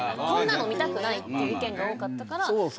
こんなの見たくないっていう意見が多かったから。